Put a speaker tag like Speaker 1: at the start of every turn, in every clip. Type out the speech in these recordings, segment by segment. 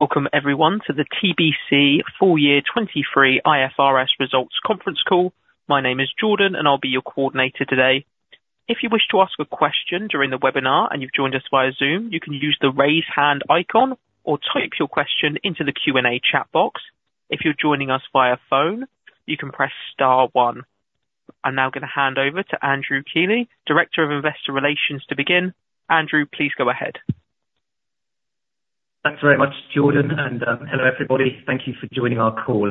Speaker 1: Welcome everyone to the TBC full year 2023 IFRS results conference call. My name is Jordan, and I'll be your coordinator today. If you wish to ask a question during the webinar and you've joined us via Zoom, you can use the raise hand icon or type your question into the Q&A chat box. If you're joining us via phone, you can press star 1. I'm now going to hand over to Andrew Keeley, Director of Investor Relations, to begin. Andrew, please go ahead.
Speaker 2: Thanks very much, Jordan, and hello everybody. Thank you for joining our call.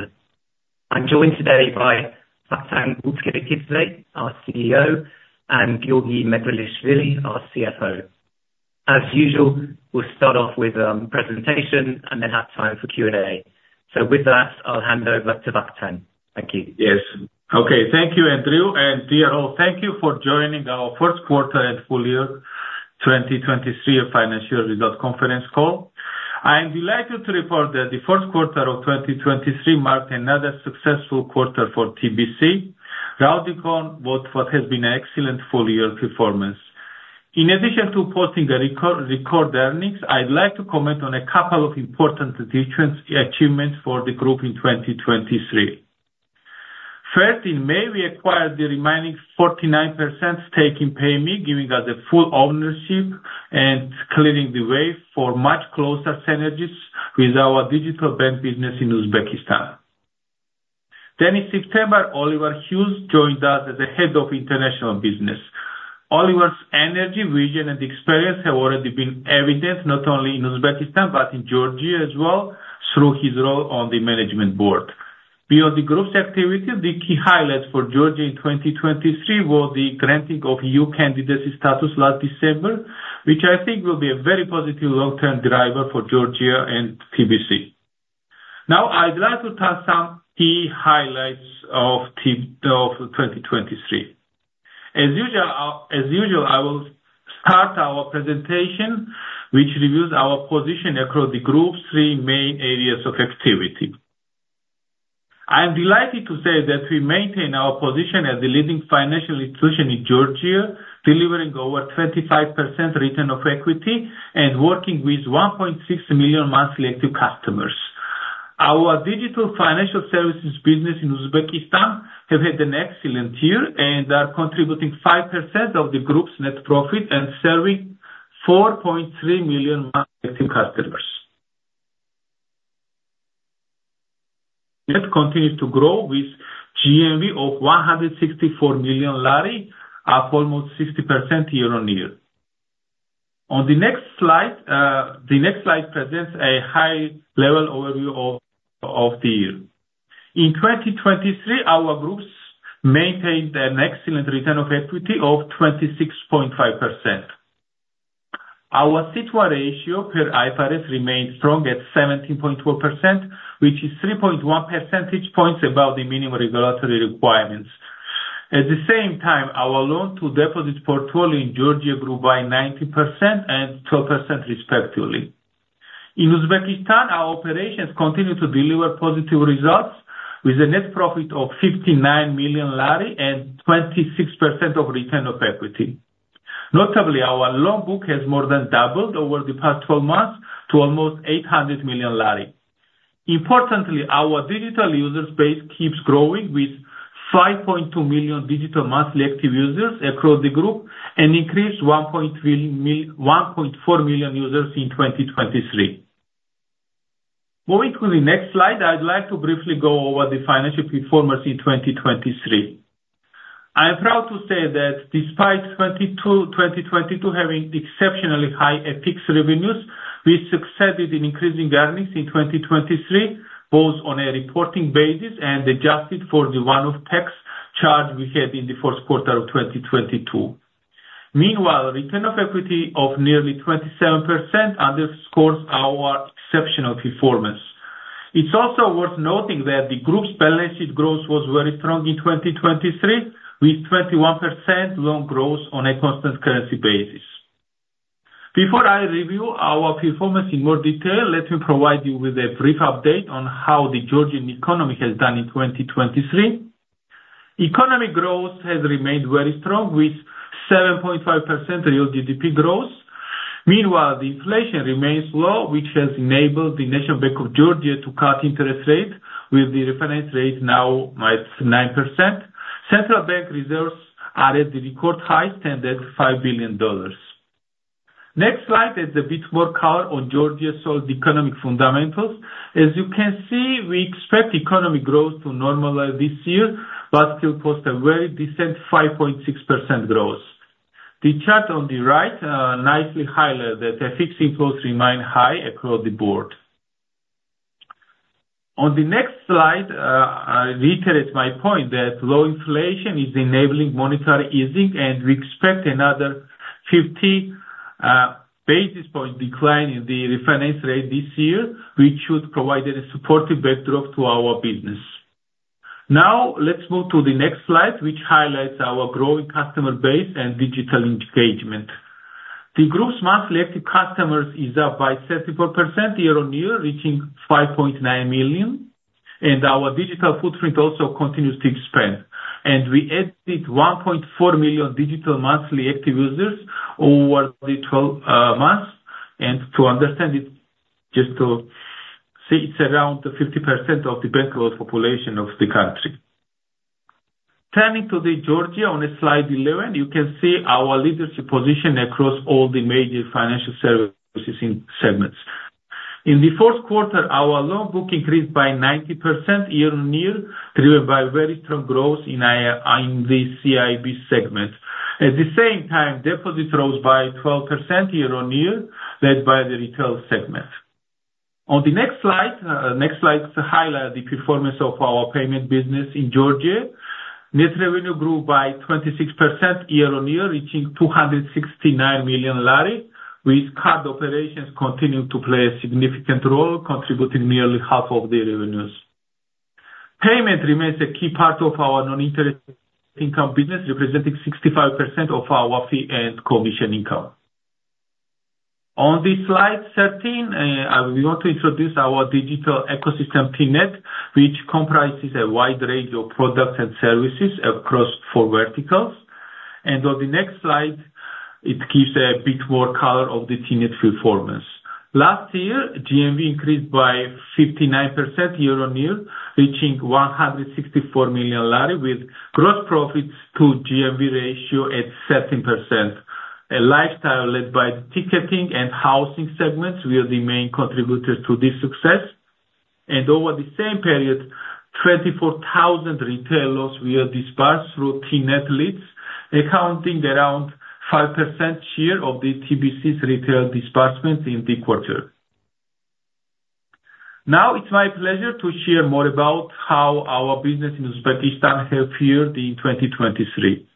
Speaker 2: I'm joined today by Vakhtang Butskhrikidze, our CEO, and Giorgi Megrelishvili, our CFO. As usual, we'll start off with a presentation and then have time for Q&A. With that, I'll hand over to Vakhtang. Thank you.
Speaker 3: Yes. Okay. Thank you, Andrew. And dear all, thank you for joining our Q1 and full year 2023 financial results conference call. I'm delighted to report that the Q1 of 2023 marked another successful quarter for TBC. Rounding out what has been an excellent full year performance. In addition to posting a record earnings, I'd like to comment on a couple of important achievements for the group in 2023. First, in May, we acquired the remaining 49% stake in Payme, giving us the full ownership and clearing the way for much closer synergies with our digital bank business in Uzbekistan. Then in September, Oliver Hughes joined us as Head of International Business. Oliver's energy, vision, and experience have already been evident not only in Uzbekistan but in Georgia as well through his role on the management board. Beyond the group's activities, the key highlights for Georgia in 2023 were the granting of EU Candidacy Status last December, which I think will be a very positive long-term driver for Georgia and TBC. Now, I'd like to touch some key highlights of 2023. As usual, I will start our presentation, which reviews our position across the group's three main areas of activity. I'm delighted to say that we maintain our position as the leading financial institution in Georgia, delivering over 25% return of equity and working with 1.6 million monthly active customers. Our digital financial services business in Uzbekistan has had an excellent year and is contributing 5% of the group's net profit and serving 4.3 million monthly active customers. It continues to grow with GMV of GEL 164 million, up almost 60% year-over-year. The next slide presents a high-level overview of the year. In 2023, our Group maintained an excellent return on equity of 26.5%. Our CET2 ratio per IFRS remained strong at 17.4%, which is 3.1 percentage points above the minimum regulatory requirements. At the same time, our loan-to-deposit portfolio in Georgia grew by 90% and 12% respectively. In Uzbekistan, our operations continue to deliver positive results with a net profit of GEL 59 million and 26% return on equity. Notably, our loan book has more than doubled over the past 12 months to almost GEL 800 million. Importantly, our digital user base keeps growing with 5.2 million digital monthly active users across the group and increased 1.4 million users in 2023. Moving to the next slide, I'd like to briefly go over the financial performance in 2023. I'm proud to say that despite 2022 having exceptionally high EBITDA revenues, we succeeded in increasing earnings in 2023 both on a reporting basis and adjusted for the one-off tax charge we had in the Q1 of 2022. Meanwhile, return on equity of nearly 27% underscores our exceptional performance. It's also worth noting that the group's balance sheet growth was very strong in 2023 with 21% loan growth on a constant currency basis. Before I review our performance in more detail, let me provide you with a brief update on how the Georgian economy has done in 2023. Economic growth has remained very strong with 7.5% real GDP growth. Meanwhile, the inflation remains low, which has enabled the National Bank of Georgia to cut interest rates with the reference rate now at 9%. Central Bank reserves are at the record high, standing at $5 billion. Next slide is a bit more color on Georgia's solid economic fundamentals. As you can see, we expect economic growth to normalize this year but still post a very decent 5.6% growth. The chart on the right nicely highlights that input prices remain high across the board. On the next slide, I reiterate my point that low inflation is enabling monetary easing, and we expect another 50 basis point decline in the reference rate this year, which should provide a supportive backdrop to our business. Now, let's move to the next slide, which highlights our growing customer base and digital engagement. The group's monthly active customers are up by 74% year-on-year, reaching 5.9 million. And our digital footprint also continues to expand. And we added 1.4 million digital monthly active users over the 12 months. To understand it, just to see, it's around 50% of the bankrolled population of the country. Turning to Georgia, on slide 11, you can see our leadership position across all the major financial services segments. In the Q1, our loan book increased by 90% year-over-year, driven by very strong growth in the CIB segment. At the same time, deposits rose by 12% year-over-year, led by the retail segment. On the next slide, next slides highlight the performance of our payment business in Georgia. Net revenue grew by 26% year-over-year, reaching GEL 269 million, with card operations continuing to play a significant role, contributing nearly half of the revenues. Payment remains a key part of our non-interest income business, representing 65% of our fee and commission income. On slide 13, we want to introduce our digital ecosystem TNET, which comprises a wide range of products and services across four verticals. On the next slide, it gives a bit more color of the TNET performance. Last year, GMV increased by 59% year-on-year, reaching GEL 164 million, with gross profits to GMV ratio at 17%. Lifestyle, led by ticketing and housing segments, were the main contributors to this success. Over the same period, 24,000 retailers were dispatched through TNET leads, accounting for around 5% share of the TBC's retail dispatchment in the quarter. Now, it's my pleasure to share more about how our business in Uzbekistan has fared in 2023.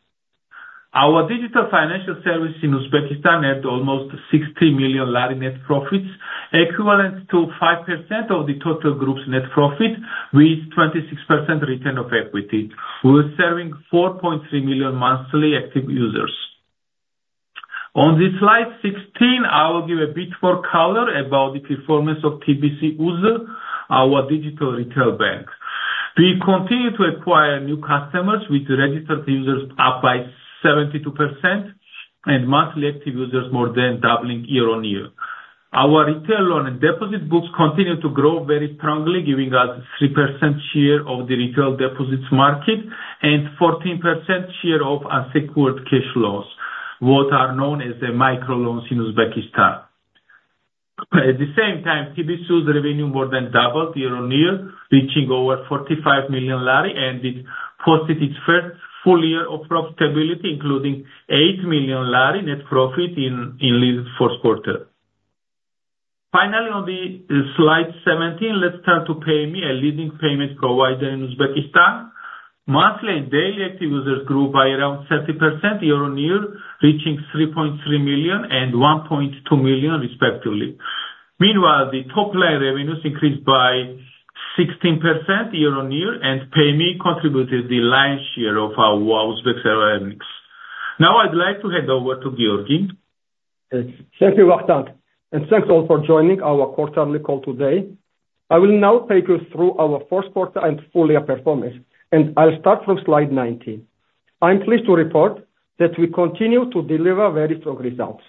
Speaker 3: Our digital financial services in Uzbekistan had almost GEL 60 million net profits, equivalent to 5% of the total group's net profit, with 26% return on equity, serving 4.3 million monthly active users. On slide 16, I will give a bit more color about the performance of TBC UZ, our digital retail bank. We continue to acquire new customers, with registered users up by 72% and monthly active users more than doubling year-on-year. Our retail loan and deposit books continue to grow very strongly, giving us 3% share of the retail deposits market and 14% share of unsecured cash flows, what are known as microloans in Uzbekistan. At the same time, TBC UZ revenue more than doubled year-on-year, reaching over GEL 45 million, and it posted its first full year of profitability, including GEL 8 million net profit in the Q1. Finally, on slide 17, let's turn to PayMe, a leading payment provider in Uzbekistan. Monthly and daily active users grew by around 30% year-on-year, reaching 3.3 million and 1.2 million respectively. Meanwhile, the top line revenues increased by 16% year-on-year, and Payme contributed the lion's share of our Uzbek earnings. Now, I'd like to hand over to Giorgi.
Speaker 4: Thank you, Vakhtang. Thanks all for joining our quarterly call today. I will now take you through our Q1 and full year performance, and I'll start from slide 19. I'm pleased to report that we continue to deliver very strong results.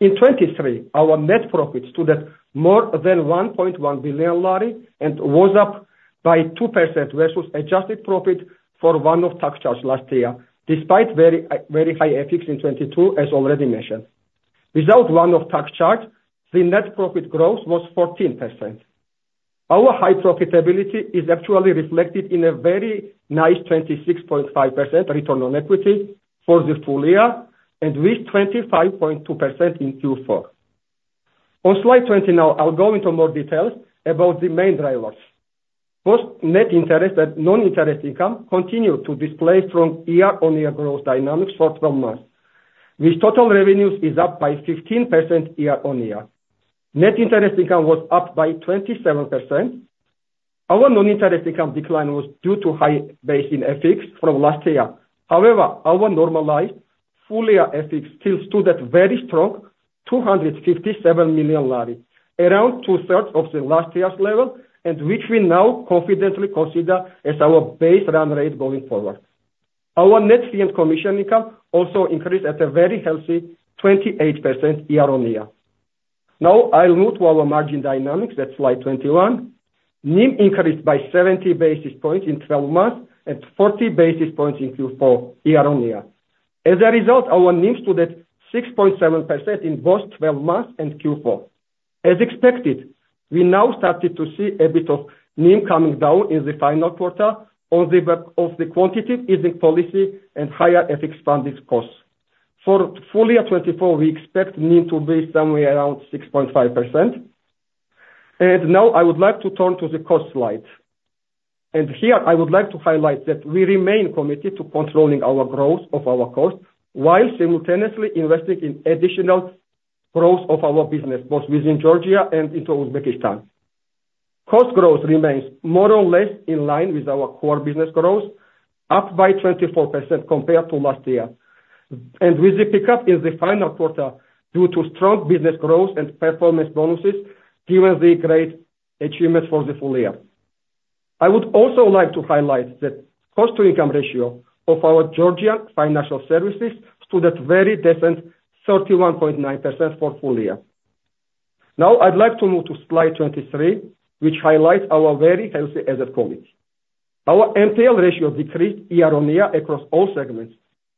Speaker 4: In 2023, our net profits stood at more than GEL 1.1 billion and rose up by 2% versus adjusted profit for one-off tax charge last year, despite very high EPS in 2022, as already mentioned. Without one-off tax charge, the net profit growth was 14%. Our high profitability is actually reflected in a very nice 26.5% return on equity for the full year and with 25.2% in Q4. On slide 20 now, I'll go into more details about the main drivers. Both net interest and non-interest income continue to display strong year-on-year growth dynamics for 12 months, with total revenues up by 15% year-on-year. Net interest income was up by 27%. Our non-interest income decline was due to high base in EPS from last year. However, our normalized full year EPS still stood at very strong GEL 257 million, around two-thirds of the last year's level, and which we now confidently consider as our base run rate going forward. Our net fee and commission income also increased at a very healthy 28% year-over-year. Now, I'll move to our margin dynamics at slide 21. NIM increased by 70 basis points in 12 months and 40 basis points in Q4 year-over-year. As a result, our NIM stood at 6.7% in both 12 months and Q4. As expected, we now started to see a bit of NIM coming down in the final quarter on the back of the quantitative easing policy and higher EPS funding costs. For full year 2024, we expect NIM to be somewhere around 6.5%. Now, I would like to turn to the cost slide. Here, I would like to highlight that we remain committed to controlling our growth of our costs while simultaneously investing in additional growth of our business, both within Georgia and into Uzbekistan. Cost growth remains more or less in line with our core business growth, up by 24% compared to last year, and with a pickup in the final quarter due to strong business growth and performance bonuses given the great achievements for the full year. I would also like to highlight that cost-to-income ratio of our Georgian financial services stood at very decent 31.9% for full year. Now, I'd like to move to slide 23, which highlights our very healthy asset quality. Our MTL ratio decreased year on year across all segments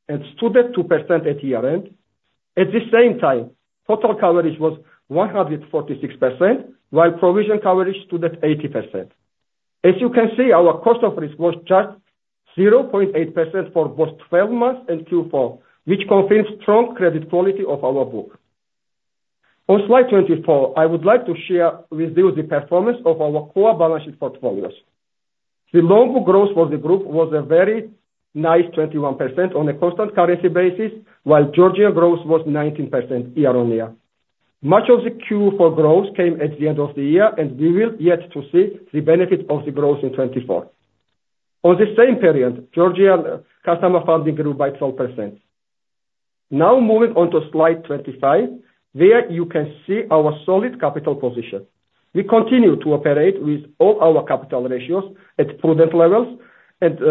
Speaker 4: and stood at 2% at year-end. At the same time, total coverage was 146%, while provision coverage stood at 80%. As you can see, our cost of risk was just 0.8% for both 12 months and Q4, which confirms strong credit quality of our book. On slide 24, I would like to share with you the performance of our core balance sheet portfolios. The loan book growth for the group was a very nice 21% on a constant currency basis, while Georgia growth was 19% year on year. Much of the Q4 growth came at the end of the year, and we will yet to see the benefit of the growth in 2024. On the same period, Georgia customer funding grew by 12%. Now, moving on to slide 25, where you can see our solid capital position. We continue to operate with all our capital ratios at prudent levels, with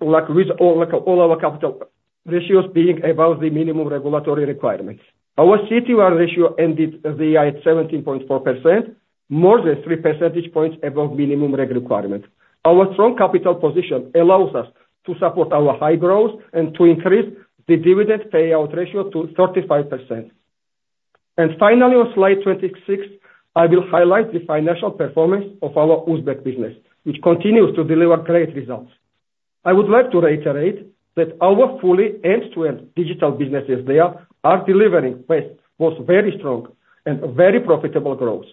Speaker 4: all our capital ratios being above the minimum regulatory requirements. Our C2R ratio ended the year at 17.4%, more than 3 percentage points above minimum reg requirement. Our strong capital position allows us to support our high growth and to increase the dividend payout ratio to 35%. Finally, on slide 26, I will highlight the financial performance of our Uzbek business, which continues to deliver great results. I would like to reiterate that our fully end-to-end digital businesses there are delivering both very strong and very profitable growth.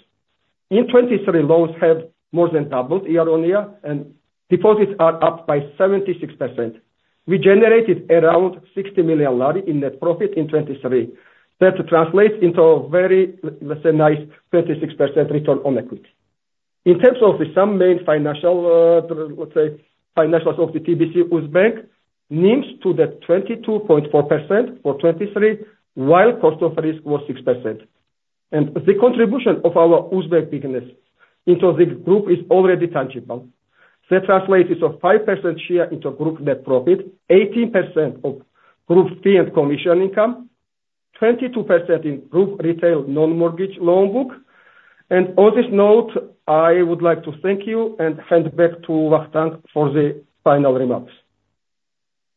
Speaker 4: In 2023, loans have more than doubled year-on-year, and deposits are up by 76%. We generated around GEL 60 million in net profit in 2023, that translates into a very, let's say, nice 26% return on equity. In terms of some main financial, let's say, financials of the TBC Uzbekistan, NIM stood at 22.4% for 2023, while cost of risk was 6%. The contribution of our Uzbek business into the group is already tangible. That translates to 5% share into group net profit, 18% of group fee and commission income, 22% in group retail non-mortgage loan book. On this note, I would like to thank you and hand back to Vakhtang for the final remarks.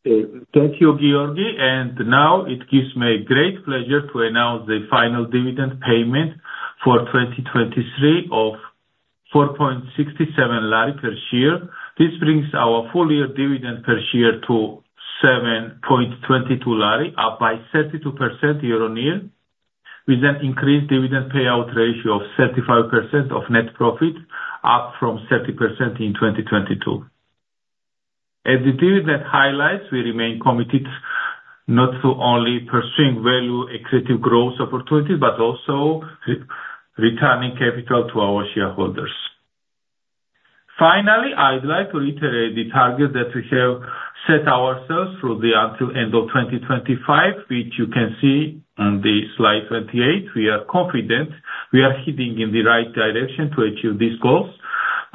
Speaker 3: Thank you, Giorgi. Now, it gives me great pleasure to announce the final dividend payment for 2023 of GEL 4.67 per year. This brings our full year dividend per year to GEL 7.22, up 32% year-on-year, with an increased dividend payout ratio of 35% of net profit, up from 30% in 2022. As the dividend highlights, we remain committed not only to pursuing value equity growth opportunities but also returning capital to our shareholders. Finally, I'd like to reiterate the target that we have set ourselves through until end of 2025, which you can see on slide 28. We are confident we are heading in the right direction to achieve these goals,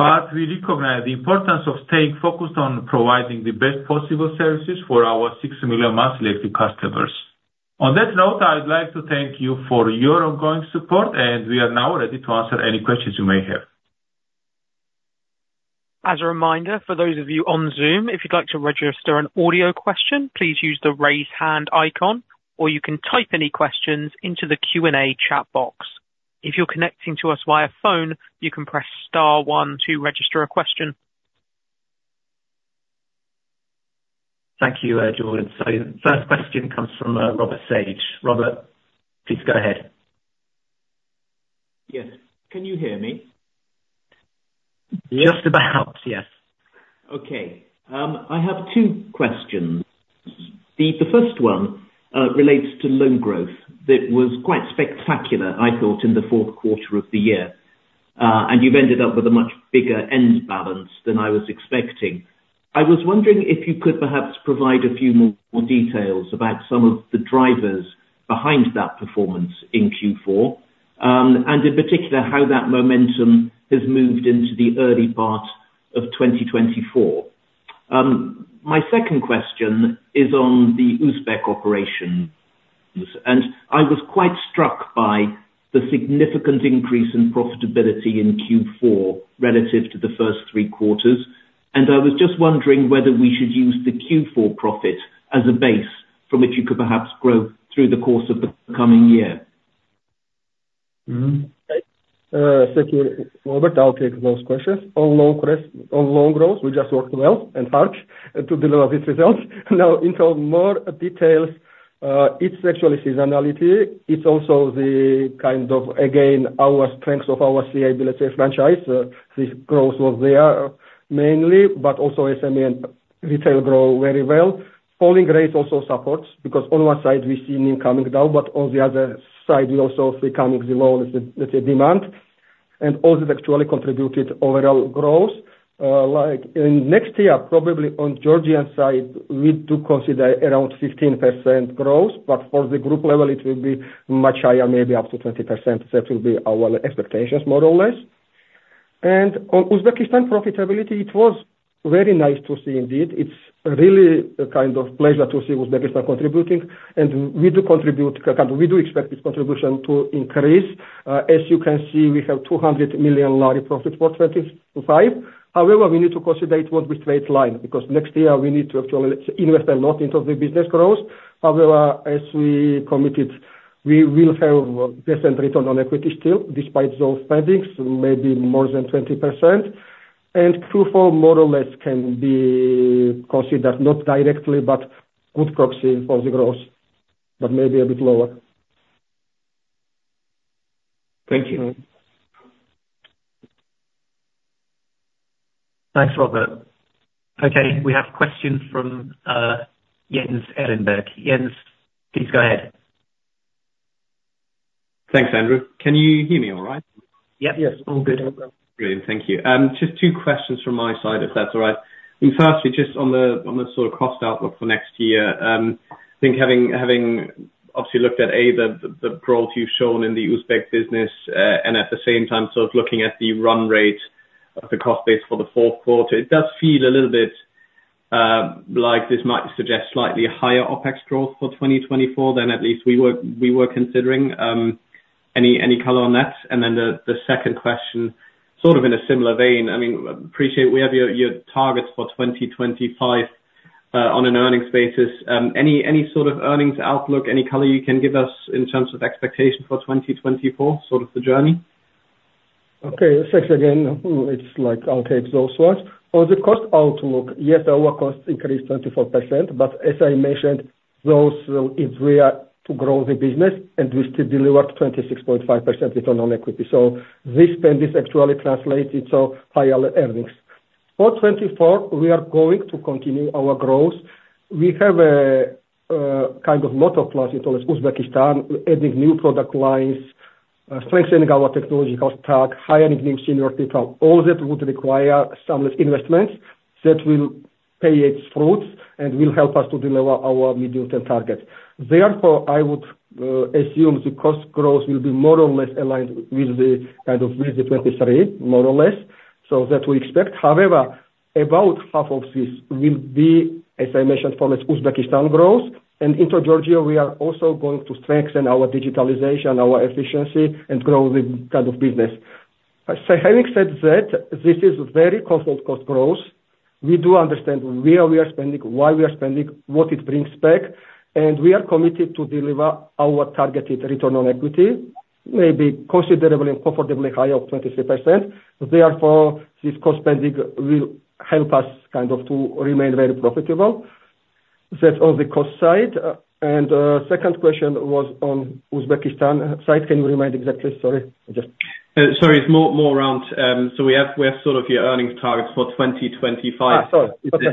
Speaker 3: but we recognize the importance of staying focused on providing the best possible services for our six million monthly active customers. On that note, I'd like to thank you for your ongoing support, and we are now ready to answer any questions you may have.
Speaker 1: As a reminder, for those of you on Zoom, if you'd like to register an audio question, please use the raise hand icon, or you can type any questions into the Q&A chat box. If you're connecting to us via phone, you can press star one to register a question.
Speaker 2: Thank you, Giorgi. So first question comes from Robert Sage. Robert, please go ahead.
Speaker 5: Yes. Can you hear me?
Speaker 2: Yes. Just about, yes.
Speaker 5: Okay. I have two questions. The first one relates to loan growth that was quite spectacular, I thought, in the Q4 of the year. You've ended up with a much bigger end balance than I was expecting. I was wondering if you could perhaps provide a few more details about some of the drivers behind that performance in Q4, and in particular, how that momentum has moved into the early part of 2024. My second question is on the Uzbek operations. I was quite struck by the significant increase in profitability in Q4 relative to the first three quarters. I was just wondering whether we should use the Q4 profit as a base from which you could perhaps grow through the course of the coming year.
Speaker 4: Thank you, Robert. I'll take those questions. On loan growth, we just worked well and hard to deliver these results. Now, into more details, it's actually seasonality. It's also the kind of, again, our strengths of our CIB, let's say, franchise. This growth was there mainly, but also SME and retail grow very well. Falling rates also supports because on one side, we see NIM coming down, but on the other side, we also see coming the low, let's say, demand. And all this actually contributed overall growth. Next year, probably on Georgian side, we do consider around 15% growth, but for the group level, it will be much higher, maybe up to 20%. That will be our expectations, more or less. And on Uzbekistan profitability, it was very nice to see indeed. It's really a kind of pleasure to see Uzbekistan contributing. We do contribute kind of. We do expect its contribution to increase. As you can see, we have GEL 200 million profit for 2025. However, we need to consider it won't be straight line because next year, we need to actually invest a lot into the business growth. However, as we committed, we will have decent return on equity still despite those spendings, maybe more than 20%. Q4, more or less, can be considered not directly but good proxy for the growth, but maybe a bit lower.
Speaker 5: Thank you.
Speaker 2: Thanks, Robert. Okay. We have questions from Jens Erlenberg. Jens, please go ahead.
Speaker 6: Thanks, Andrew. Can you hear me all right?
Speaker 2: Yep.
Speaker 5: Yes. All good.
Speaker 6: Brilliant. Thank you. Just two questions from my side, if that's all right. Firstly, just on the sort of cost outlook for next year. I think having obviously looked at, A, the growth you've shown in the Uzbek business, and at the same time, sort of looking at the run rate of the cost base for the Q4, it does feel a little bit like this might suggest slightly higher OpEx growth for 2024 than at least we were considering. Any color on that? And then the second question, sort of in a similar vein, I mean, appreciate we have your targets for 2025 on an earnings basis. Any sort of earnings outlook, any color you can give us in terms of expectation for 2024, sort of the journey?
Speaker 4: Okay. Thanks again. It's like I'll take those ones. On the cost outlook, yes, our cost increased 24%. But as I mentioned, those are required to grow the business, and we still delivered 26.5% return on equity. So this spend is actually translating to higher earnings. For 2024, we are going to continue our growth. We have a kind of lot of plans into Uzbekistan, adding new product lines, strengthening our technological stack, hiring new senior people. All that would require some investments that will bear its fruits and will help us to deliver our medium-term targets. Therefore, I would assume the cost growth will be more or less aligned with the kind of with the 2023, more or less, so that we expect. However, about half of this will be, as I mentioned, for Uzbekistan growth. And into Georgia, we are also going to strengthen our digitalization, our efficiency, and grow the kind of business. Having said that, this is very controlled cost growth. We do understand where we are spending, why we are spending, what it brings back. And we are committed to deliver our targeted return on equity, maybe considerably and comfortably higher of 23%. Therefore, this cost spending will help us kind of to remain very profitable. That's on the cost side. And second question was on Uzbekistan side. Can you remind exactly? Sorry.
Speaker 6: Sorry. It's more around so we have sort of your earnings targets for 2025.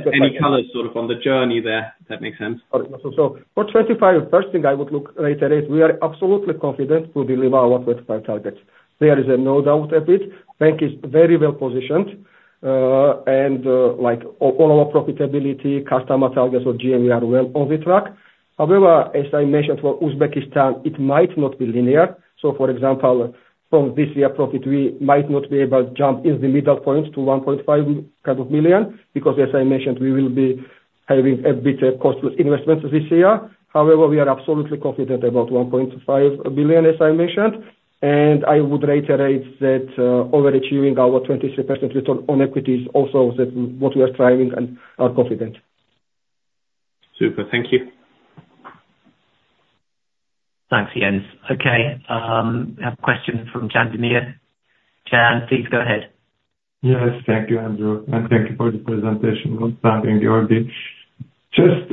Speaker 6: Any color sort of on the journey there if that makes sense?
Speaker 4: Sorry. So for 2025, first thing I would look reiterate, we are absolutely confident to deliver our 2025 targets. There is no doubt a bit. Bank is very well positioned. And all our profitability, customer targets, or GMV are well on the track. However, as I mentioned, for Uzbekistan, it might not be linear. S o, for example, from this year profit, we might not be able to jump in the middle point to $1.5 million kind of because, as I mentioned, we will be having a bit of costly investments this year. However, we are absolutely confident about $1.5 billion, as I mentioned. And I would reiterate that overachieving our 23% return on equity is also what we are striving and are confident.
Speaker 6: Super. Thank you.
Speaker 2: Thanks, Jens. Okay. We have a question from Jandimir. Jan, please go ahead.
Speaker 7: Yes. Thank you, Andrew. And thank you for the presentation. Thank you, Giorgi. Just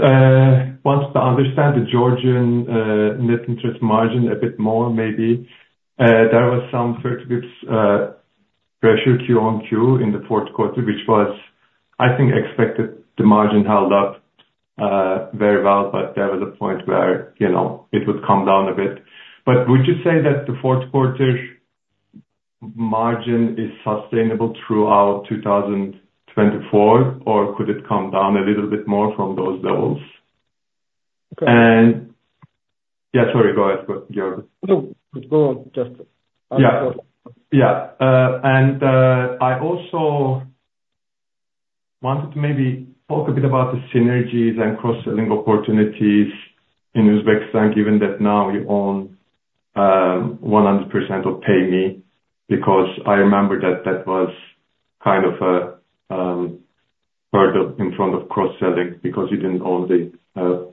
Speaker 7: wanted to understand the Georgian net interest margin a bit more, maybe. There was some 30 bps pressure Q-on-Q in the Q4, which was, I think, expected. The margin held up very well, but there was a point where it would come down a bit. But would you say that the Q4 margin is sustainable throughout 2024, or could it come down a little bit more from those levels? And yeah, sorry. Go ahead, Giorgi.
Speaker 4: No. Go on. Just ask the question.
Speaker 7: Yeah. Yeah. I also wanted to maybe talk a bit about the synergies and cross-selling opportunities in Uzbekistan, given that now you own 100% of Payme because I remember that that was kind of a hurdle in front of cross-selling because you didn't own the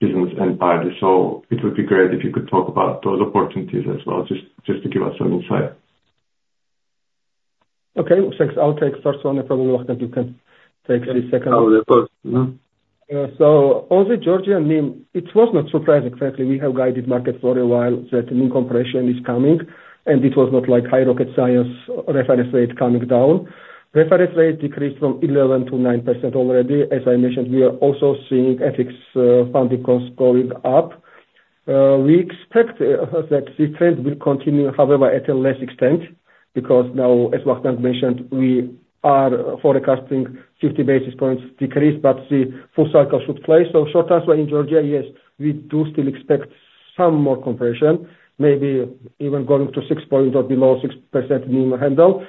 Speaker 7: business entirely. So it would be great if you could talk about those opportunities as well, just to give us some insight.
Speaker 4: Okay. Thanks. I'll take first one. Probably, Vakhtang, you can take the second one.
Speaker 3: Oh, the first.
Speaker 4: So on the Georgian NIM, it was not surprising, frankly. We have guided market for a while that the NIM compression is coming, and it was not like high rocket science reference rate coming down. Reference rate decreased from 11%-9% already. As I mentioned, we are also seeing equity funding costs going up. We expect that this trend will continue, however, at a less extent because now, as Vakhtang mentioned, we are forecasting 50 basis points decrease, but the full cycle should play. So short-term swing in Georgia, yes, we do still expect some more compression, maybe even going to 6% or below 6% NIM handle,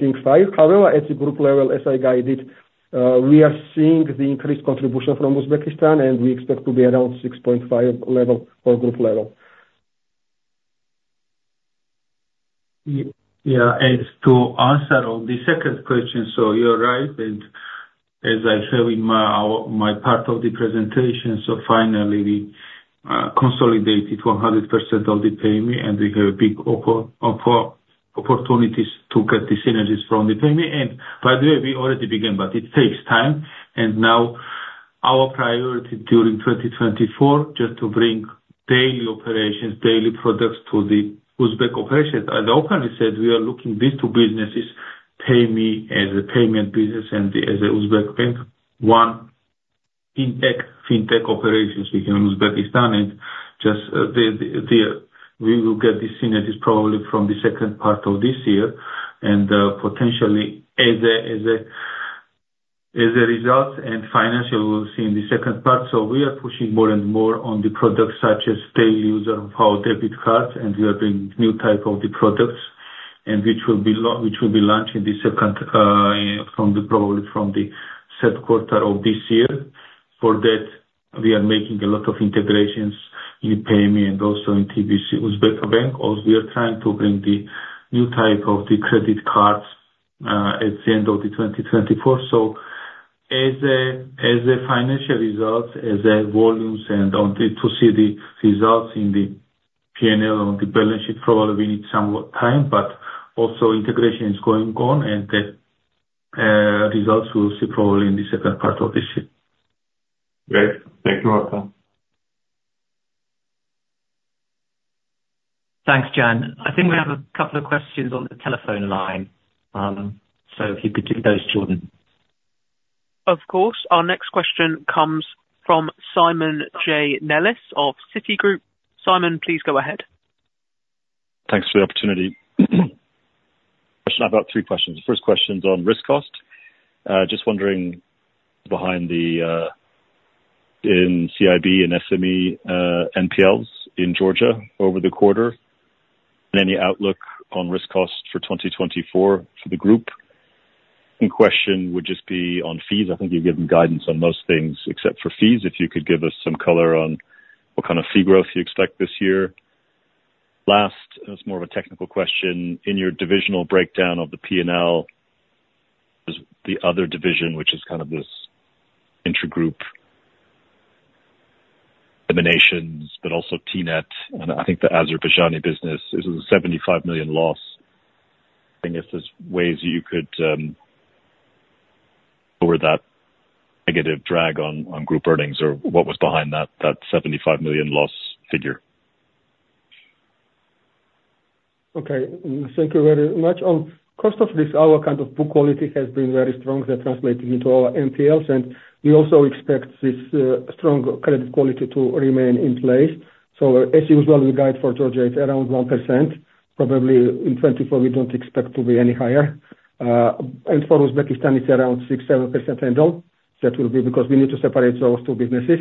Speaker 4: seeing 5%. However, at the group level, as I guided, we are seeing the increased contribution from Uzbekistan, and we expect to be around 6.5% level for group level.
Speaker 3: Yeah. To answer on the second question, so you're right. As I said in my part of the presentation, so finally, we consolidated 100% of the PayMe, and we have big opportunities to get the synergies from the PayMe. By the way, we already began, but it takes time. Now, our priority during 2024, just to bring daily operations, daily products to the Uzbek operations. As I openly said, we are looking these two businesses, PayMe as a payment business and as a Uzbek bank, one fintech operations in Uzbekistan. We will get these synergies probably from the second part of this year. Potentially, as a result and financial, we will see in the second part. So we are pushing more and more on the products such as daily user of our debit cards, and we are bringing new type of the products which will be launching the second probably from the Q3 of this year. For that, we are making a lot of integrations in Payme and also in TBC Uzbekistan. Also, we are trying to bring the new type of the credit cards at the end of 2024. So as a financial result, as a volumes and to see the results in the P&L on the balance sheet, probably we need some time. But also, integration is going on, and the results we will see probably in the second part of this year.
Speaker 7: Great. Thank you, Vakhtang.
Speaker 2: Thanks, Jan. I think we have a couple of questions on the telephone line. If you could do those, Jordan.
Speaker 1: Of course. Our next question comes from Simon J. Nellis of Citigroup. Simon, please go ahead.
Speaker 8: Thanks for the opportunity. I've got three questions. The first question is on risk cost. Just wondering behind in CIB and SME NPLs in Georgia over the quarter and any outlook on risk cost for 2024 for the group. And question would just be on fees. I think you've given guidance on most things except for fees. If you could give us some color on what kind of fee growth you expect this year. Last, and it's more of a technical question, in your divisional breakdown of the P&L, there's the other division, which is kind of this intra-group eliminations, but also TNET, and I think the Azerbaijani business. This is a $75 million loss. If there's ways you could lower that negative drag on group earnings or what was behind that $75 million loss figure.
Speaker 4: Okay. Thank you very much. On cost of risk, our kind of book quality has been very strong. That translates into our NPLs. And we also expect this strong credit quality to remain in place. So as usual, we guide for Georgia, it's around 1%. Probably in 2024, we don't expect to be any higher. And for Uzbekistan, it's around 6%-7% handle. That will be because we need to separate those two businesses.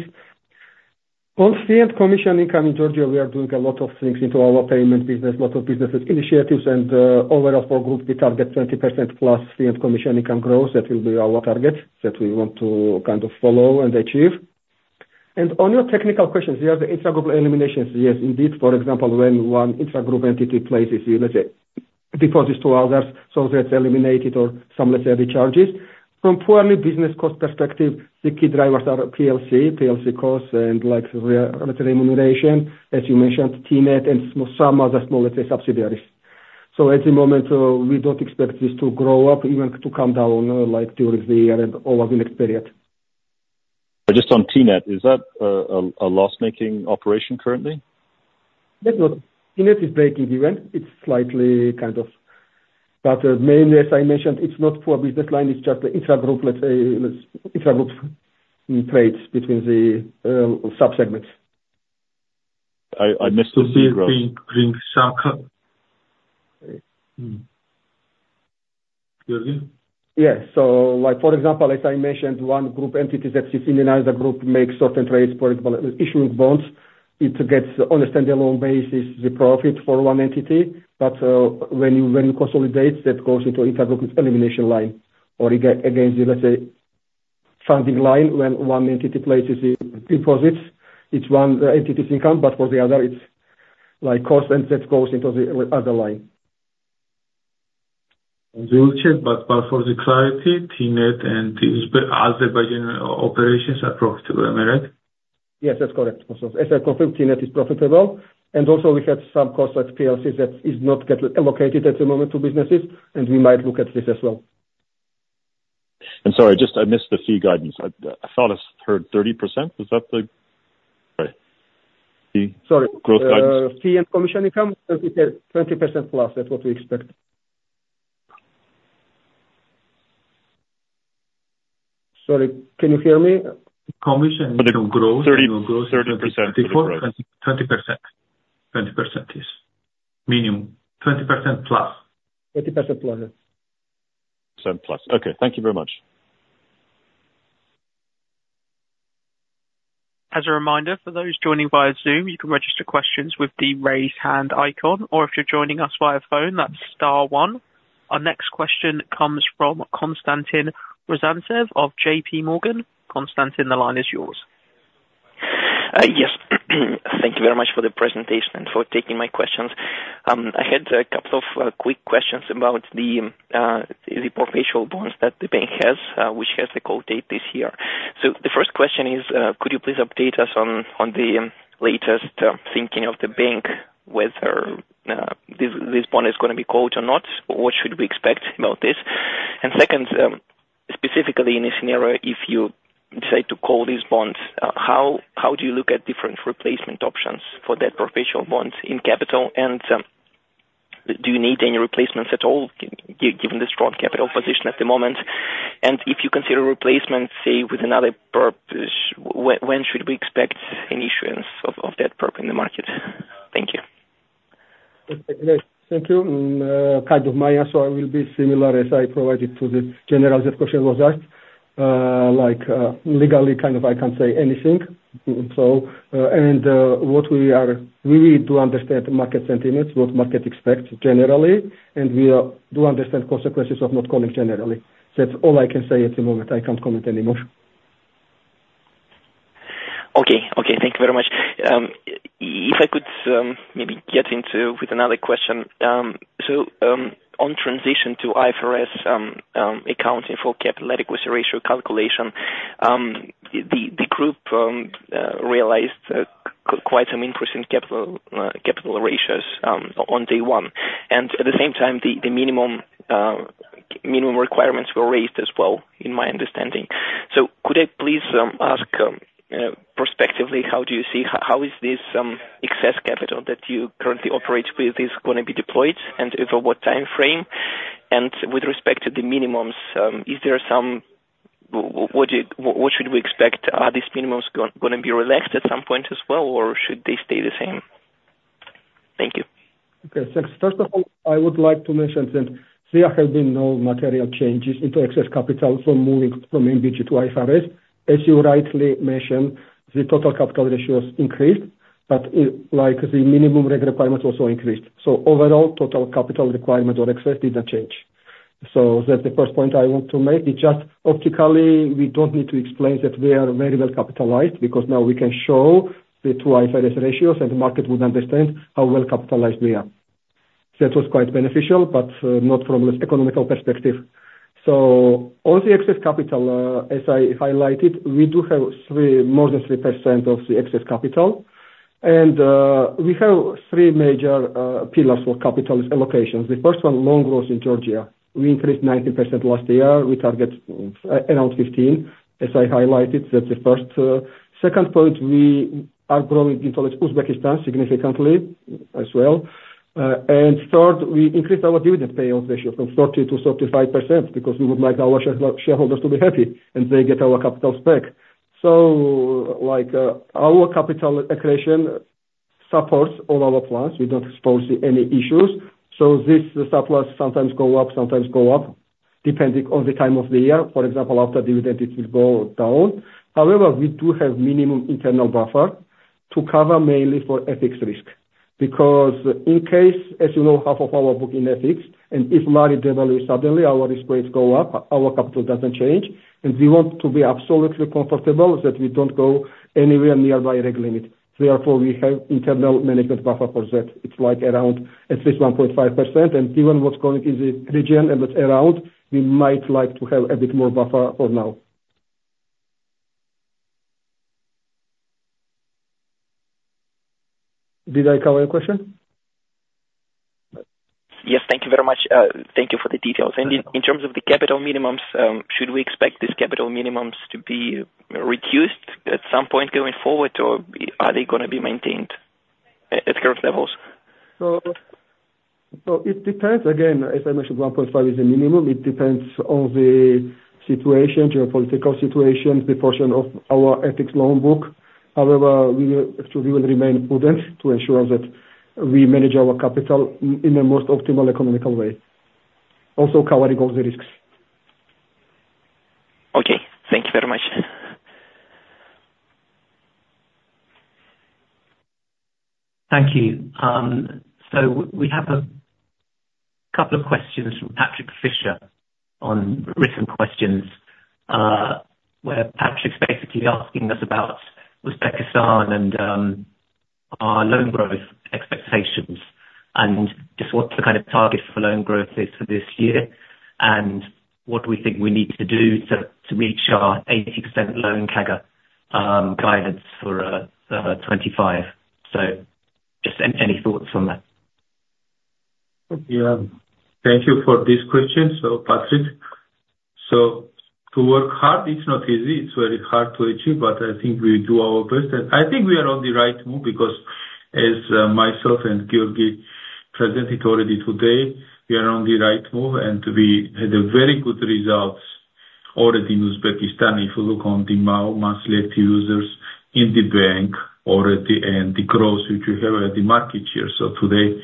Speaker 4: On fee and commission income in Georgia, we are doing a lot of things into our payment business, a lot of business initiatives. And overall for group, we target 20%+ fee and commission income growth. That will be our target that we want to kind of follow and achieve. And on your technical questions, here are the intra-group eliminations. Yes, indeed. For example, when one intra-group entity places deposits to others, so that's eliminated or some, let's say, recharges. From purely business cost perspective, the key drivers are PLC, PLC costs, and let's say remuneration, as you mentioned, TNET, and some other small, let's say, subsidiaries. So at the moment, we don't expect this to grow up, even to come down during the year and over the next period.
Speaker 8: Just on TNET, is that a loss-making operation currently?
Speaker 4: TNET is breaking even. It's slightly kind of but mainly, as I mentioned, it's not poor business line. It's just the intra-group, let's say, intra-group trades between the subsegments.
Speaker 8: I missed the fee growth.
Speaker 4: Yes. So for example, as I mentioned, one group entity that is in another group makes certain trades, for example, issuing bonds. It gets on a standalone basis the profit for one entity. But when you consolidate, that goes into intra-group elimination line or against the, let's say, funding line. When one entity places deposits, it's one entity's income. But for the other, it's cost, and that goes into the other line.
Speaker 3: We will check. For the clarity, TNET and Azerbaijani operations are profitable, am I right?
Speaker 4: Yes, that's correct. As I confirmed, TNET is profitable. And also, we had some costs at PLC that is not allocated at the moment to businesses. And we might look at this as well.
Speaker 8: Sorry, I missed the fee guidance. I thought I heard 30%. Is that the growth guidance?
Speaker 4: Sorry. Fee and commission income, as we said, 20% plus. That's what we expect. Sorry. Can you hear me?
Speaker 3: Commission income growth.
Speaker 4: 30%.
Speaker 3: 24?
Speaker 4: 20%. 20%, yes. Minimum. 20%+. 20%+.
Speaker 8: % plus. Okay. Thank you very much.
Speaker 1: As a reminder, for those joining via Zoom, you can register questions with the raise hand icon. Or if you're joining us via phone, that's star one. Our next question comes from Konstantin Rozantsev of J.P. Morgan. Konstantin, the line is yours.
Speaker 9: Yes. Thank you very much for the presentation and for taking my questions. I had a couple of quick questions about the perpetual bonds that the bank has, which has the call date this year. So the first question is, could you please update us on the latest thinking of the bank, whether this bond is going to be called or not? What should we expect about this? And second, specifically in this scenario, if you decide to call these bonds, how do you look at different replacement options for that perpetual bond in capital? And do you need any replacements at all given the strong capital position at the moment? And if you consider replacement, say, with another PERP, when should we expect an issuance of that PERP in the market? Thank you.
Speaker 4: Thank you. Kind of my answer will be similar as I provided to the general question was asked. Legally, kind of I can't say anything. And we do understand market sentiments, what market expects generally. And we do understand consequences of not calling generally. That's all I can say at the moment. I can't comment anymore.
Speaker 9: Okay. Okay. Thank you very much. If I could maybe get into with another question. So on transition to IFRS accounting for capital at equity ratio calculation, the group realized quite some increase in capital ratios on day one. And at the same time, the minimum requirements were raised as well, in my understanding. So could I please ask prospectively, how do you see how is this excess capital that you currently operate with going to be deployed and over what time frame? And with respect to the minimums, is there some what should we expect? Are these minimums going to be relaxed at some point as well, or should they stay the same? Thank you.
Speaker 4: Okay. Thanks. First of all, I would like to mention that there have been no material changes into excess capital from moving from NBG to IFRS. As you rightly mentioned, the total capital ratios increased, but the minimum requirement also increased. So overall, total capital requirement or excess did not change. So that's the first point I want to make. It's just optically, we don't need to explain that we are very well capitalized because now we can show the two IFRS ratios, and the market would understand how well capitalized we are. That was quite beneficial, but not from an economic perspective. So on the excess capital, as I highlighted, we do have more than 3% of the excess capital. And we have three major pillars for capital allocations. The first one, loan growth in Georgia. We increased 19% last year. We target around 15%, as I highlighted. That's the first. Second point, we are growing into Uzbekistan significantly as well. And third, we increased our dividend payout ratio from 30%-35% because we would like our shareholders to be happy, and they get our capital back. So our capital accretion supports all our plans. We don't foresee any issues. So this surplus sometimes goes up, sometimes goes up depending on the time of the year. For example, after dividend, it will go down. However, we do have minimum internal buffer to cover mainly for FX risk because in case, as you know, half of our book in FX, and if Lari devalues suddenly, our risk rates go up. Our capital doesn't change. And we want to be absolutely comfortable that we don't go anywhere nearby reg limit. Therefore, we have internal management buffer for that. It's around at least 1.5%. Given what's going on in the region and what's around, we might like to have a bit more buffer for now. Did I cover your question?
Speaker 9: Yes. Thank you very much. Thank you for the details. And in terms of the capital minimums, should we expect these capital minimums to be reduced at some point going forward, or are they going to be maintained at current levels?
Speaker 4: It depends. Again, as I mentioned, 1.5 is the minimum. It depends on the situation, geopolitical situation, the portion of our existing loanbook. However, actually, we will remain prudent to ensure that we manage our capital in the most optimal economical way, also covering all the risks.
Speaker 9: Okay. Thank you very much.
Speaker 2: Thank you. We have a couple of questions from Patrick Fisher on written questions where Patrick's basically asking us about Uzbekistan and our loan growth expectations and just what the kind of target for loan growth is for this year and what we think we need to do to reach our 80% loan CAGR guidance for 2025. Just any thoughts on that?
Speaker 3: Thank you for this question, Patrick. So to work hard, it's not easy. It's very hard to achieve, but I think we do our best. And I think we are on the right move because, as myself and Giorgi presented already today, we are on the right move. And we had very good results already in Uzbekistan if you look on the monthly active users in the bank already and the growth which we have at the market share. So today,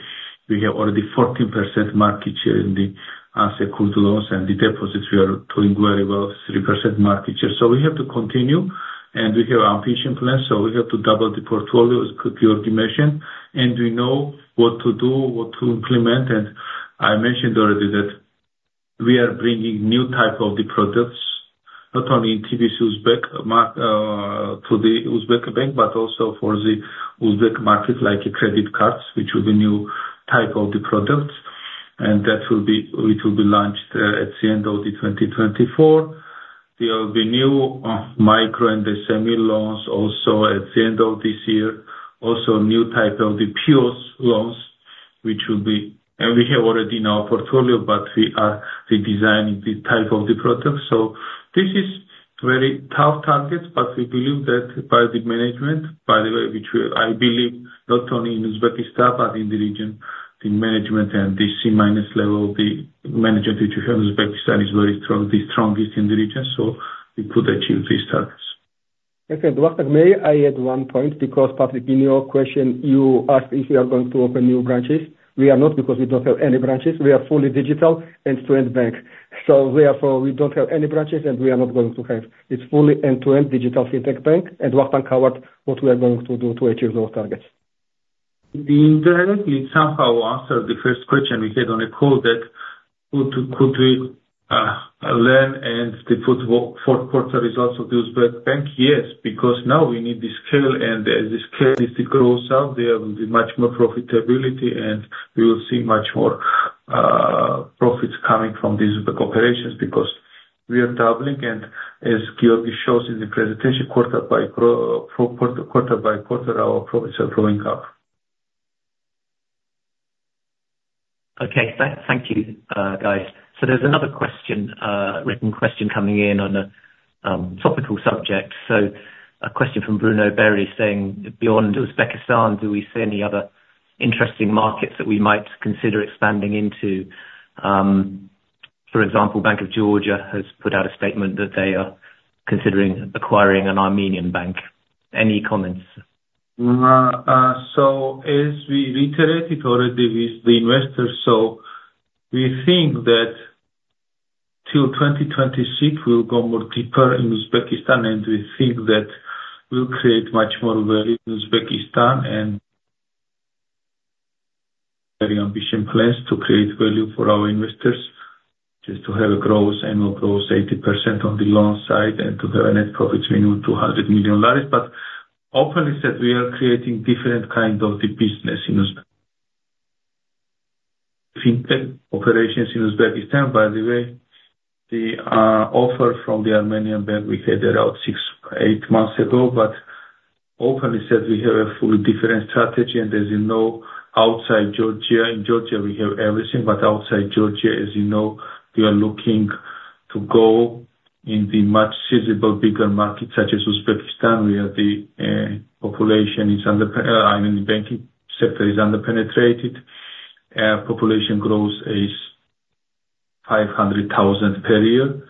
Speaker 3: we have already 14% market share in the asset quote loans. And the deposits, we are doing very well, 3% market share. So we have to continue. And we have ambition plans. So we have to double the portfolio, as Giorgi mentioned. And we know what to do, what to implement. I mentioned already that we are bringing new type of products, not only in TBC UZ to the Uzbek bank but also for the Uzbek market, like credit cards, which will be new type of products. And it will be launched at the end of 2024. There will be new micro and semi-loans also at the end of this year, also new type of the POS loans, which will be and we have already in our portfolio, but we are redesigning the type of the product. So this is very tough targets, but we believe that by the management, by the way, which I believe not only in Uzbekistan but in the region, the management and the C-level, the management which we have in Uzbekistan is very strong, the strongest in the region. So we could achieve these targets.
Speaker 4: Okay. Dwarsag, may I add one point? Because, Patrick, in your question, you asked if we are going to open new branches. We are not because we don't have any branches. We are fully digital end-to-end bank. So therefore, we don't have any branches, and we are not going to have. It's fully end-to-end digital fintech bank. Dwarsag covered what we are going to do to achieve those targets.
Speaker 3: Indirectly, it somehow answered the first question we had on the call that could we learn and put forth the results of the Uzbek bank? Yes, because now we need the scale. As the scale is the growth out, there will be much more profitability, and we will see much more profits coming from these Uzbek operations because we are doubling. As Giorgi shows in the presentation, quarter by quarter by quarter, our profits are growing up.
Speaker 2: Okay. Thank you, guys. So there's another written question coming in on a topical subject. So a question from Bruno Berry saying, "Beyond Uzbekistan, do we see any other interesting markets that we might consider expanding into?" For example, Bank of Georgia has put out a statement that they are considering acquiring an Armenian bank. Any comments?
Speaker 3: So, as we reiterated already with the investors, we think that till 2026, we will go more deeper in Uzbekistan. We think that we'll create much more value in Uzbekistan and very ambitious plans to create value for our investors just to have an annual growth of 80% on the loan side and to have a net profit minimum of GEL 200 million. But openly said, we are creating different kind of the business in Uzbek operations in Uzbekistan. By the way, the offer from the Armenian bank, we had around 6 or 8 months ago. But openly said, we have a fully different strategy. And as you know, outside Georgia, in Georgia, we have everything. But outside Georgia, as you know, we are looking to go in the much sizable, bigger market such as Uzbekistan. The population is under, I mean, the banking sector is underpenetrated. Population growth is 500,000 per year.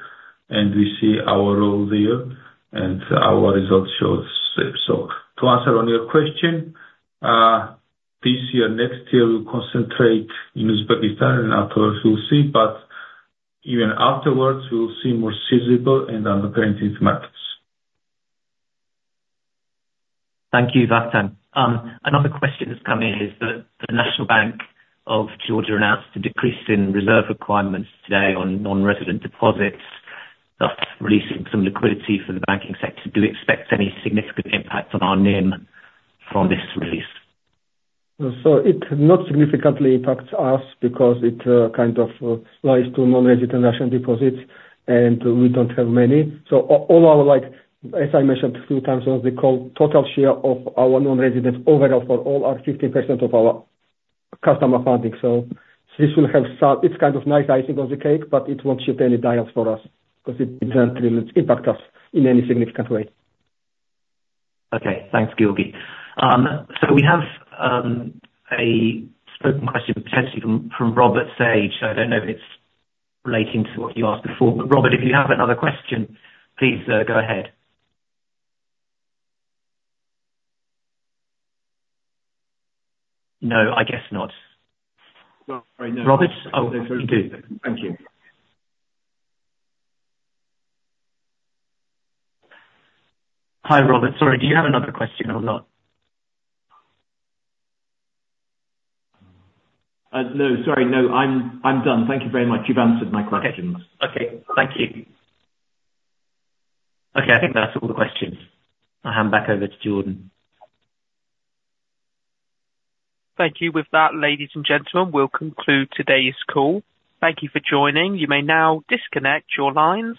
Speaker 3: We see our role there. Our results showed so. To answer on your question, this year, next year, we'll concentrate in Uzbekistan. Afterwards, we'll see. But even afterwards, we'll see more sizable and underpenetrated markets.
Speaker 2: Thank you, Dwarsag. Another question that's come in is that the National Bank of Georgia announced a decrease in reserve requirements today on non-resident deposits, thus releasing some liquidity for the banking sector. Do we expect any significant impact on our NIM from this release?
Speaker 4: So it not significantly impacts us because it kind of applies to non-resident Russian deposits, and we don't have many. So all our, as I mentioned a few times on the call, total share of our non-residents overall for all are 15% of our customer funding. So this will have some, it's kind of nice icing on the cake, but it won't shift any dials for us because it doesn't really impact us in any significant way.
Speaker 2: Okay. Thanks, Giorgi. So we have a spoken question potentially from Robert Sage. I don't know if it's relating to what you asked before. But Robert, if you have another question, please go ahead. No, I guess not.
Speaker 3: Sorry. No.
Speaker 2: Robert? Oh, you do.
Speaker 5: Thank you.
Speaker 2: Hi, Robert. Sorry. Do you have another question or not?
Speaker 5: No. Sorry. No. I'm done. Thank you very much. You've answered my questions.
Speaker 2: Okay. Okay. Thank you. Okay. I think that's all the questions. I'll hand back over to Jordan.
Speaker 1: Thank you. With that, ladies and gentlemen, we'll conclude today's call. Thank you for joining. You may now disconnect your lines.